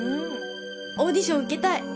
オーディション受けたい！